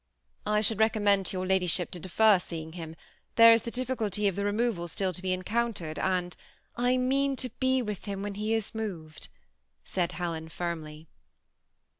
" I should recommend to your ladyship to defer see ing him ; there is the difficulty of the removal still to be encountered, and "^ I mean to be with him when he is moved," said Helen, firmly.